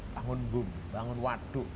bangun bum bangun waduk